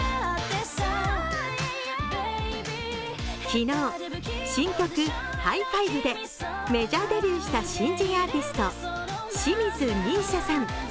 昨日、新曲「ＨｉｇｈＦｉｖｅ」でメジャーデビューした新人アーティスト清水美依紗さん